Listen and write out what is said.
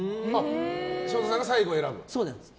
昇太さんが最後に選ぶという。